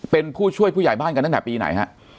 เป็นผู้ช่วยผู้ใหญ่บ้านกันตั้งแต่ปีไหนฮะ